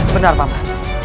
benar pak mat